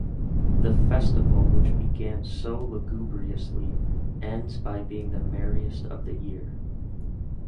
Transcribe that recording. The festival which began so lugubriously ends by being the merriest of the year.